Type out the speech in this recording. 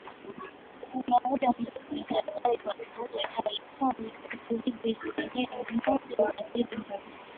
muda mrefu Ni hatari kwa viumbe hai kwani vitu hivi vyenye mionzi huathiri moja